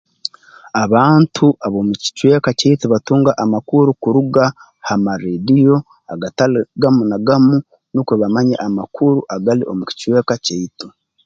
Abantu ab'omu kicweka kyaitu batunga amakuru kuruga ha marreediyo agatali gamu na gamu nukwe bamanye amakuru agali omu kicweka kyaitu